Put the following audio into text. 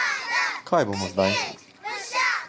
Kaj bomo zdaj?